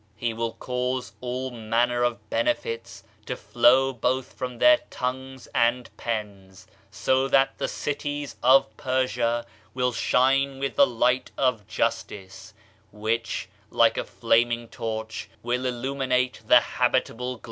He will cause all manner of benefits to flow both from their tongues and pens, so that the cities of Persia will shine with the light of justice, which, like a flam ing torch, will illuminate the habitable globe.